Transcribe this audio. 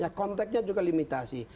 ya contactnya juga limitasi